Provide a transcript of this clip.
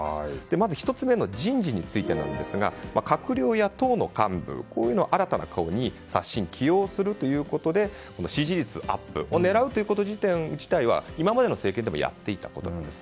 まず１つ目の人事についてですが閣僚や党の幹部というのを新たな顔に刷新起用するということで支持率アップを狙うこと自体は今までの政権でもやっていたことです。